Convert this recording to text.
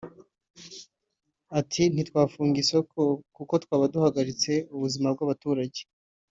Ati “Ntitwafunga isoko kuko twaba duhagaritse ubuzima bw’abaturage